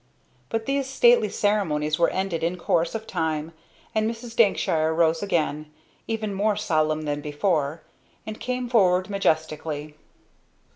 But these stately ceremonies were ended in course of time, and Mrs. Dankshire rose again, even more solemn than before, and came forward majestically.